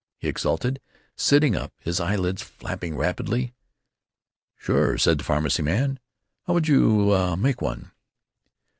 he exulted, sitting up, his eyelids flipping rapidly. "Sure!" said the Pharmacy man. "How would you make one?"